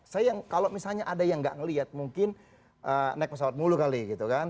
saya yang kalau misalnya ada yang nggak ngelihat mungkin naik pesawat mulu kali gitu kan